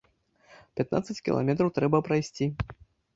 Пятнаццаць кіламетраў трэба прайсці.